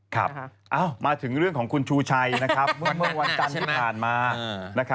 ครับเอ้ามาถึงเรื่องของคุณชูชัยนะครับเมื่อเมื่อวันจันทร์ที่ผ่านมานะครับ